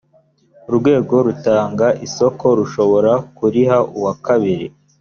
urwego rutanga isoko rushobora kuriha uwa kabiri